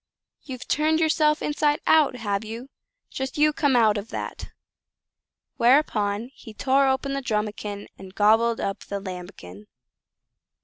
you've turned yourself inside out, have you? Just you come out of that!" Whereupon he tore open Drumikin and gobbled up Lambikin.